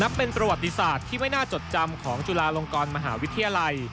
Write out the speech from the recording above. เป็นประวัติศาสตร์ที่ไม่น่าจดจำของจุฬาลงกรมหาวิทยาลัย